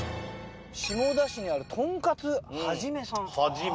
下田市にある「とんかつ一」さん。